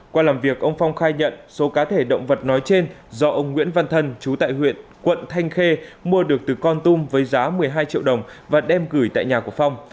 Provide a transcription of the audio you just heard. qua làm việc ông phong khai nhận số cá thể động vật nói trên do ông nguyễn văn thân chú tại huyện quận thanh khê mua được từ con tum với giá một mươi hai triệu đồng và đem gửi tại nhà của phong